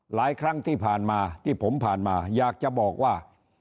หลายครั้งที่ผ่านมาที่ผมผ่านมาอยากจะบอกว่า